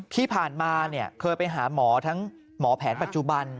ที่ผ่านมาเคยไปหาหมอทั้งหมอแผนปัจจุบัน